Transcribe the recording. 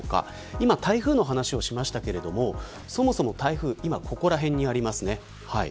今、台風の話をしましたがそもそも台風今、ここら辺にあります。